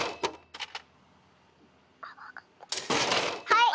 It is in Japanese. はい！